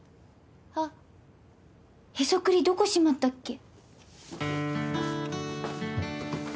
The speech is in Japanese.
あっへそくりどこしまったっけ。